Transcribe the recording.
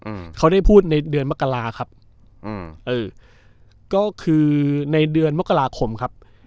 อืมเขาได้พูดในเดือนมกราครับอืมเออก็คือในเดือนมกราคมครับ